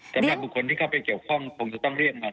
สำหรับบุคคลที่เข้าไปเกี่ยวข้องคงจะต้องเรียกมา